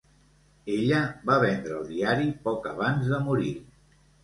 Ella va vendre el diari poc abans de morir.